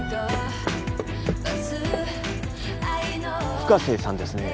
深瀬さんですね？